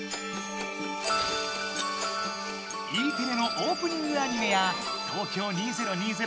Ｅテレのオープニングアニメや東京２０２０